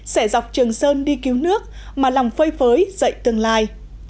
sẽ dọc trường sơn đi cứu nước mà lòng phơi phới dậy tương lai